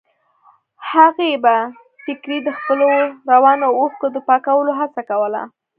هغې په ټيکري د خپلو روانو اوښکو د پاکولو هڅه کوله.